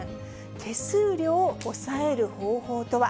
手数料抑える方法とは。